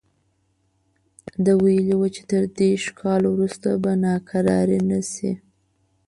ده ویلي وو چې تر دېرش کاله وروسته به ناکراري نه شي.